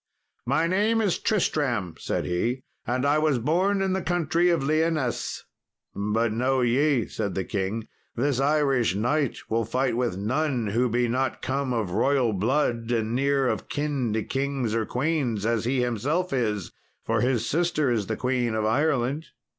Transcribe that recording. "My name is Tristram," said he, "and I was born in the country of Lyonesse." "But know ye," said the king, "this Irish knight will fight with none who be not come of royal blood and near of kin to kings or queens, as he himself is, for his sister is the Queen of Ireland."